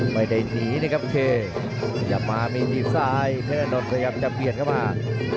ไม่ได้หนีนะครับเคอย่ามามีทีมซ้ายเพชรอนนท์พยายามจะเปลี่ยนเข้ามา